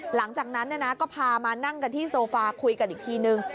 หลังจากนั้นก็พามานั่งกันที่โซฟาคุยกันอีกทีนึง